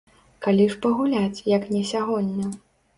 Калі ж пагуляць, як не сягоння?